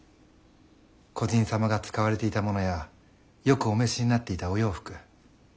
故人様が使われていたものやよくお召しになっていたお洋服